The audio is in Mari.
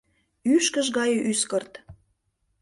Ӱшкыж гае ӱскырт.